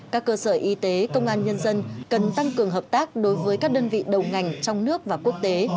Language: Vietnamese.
các cơ sở y tế công an nhân dân cần tăng cường hợp tác đối với các đơn vị đầu ngành trong nước và quốc tế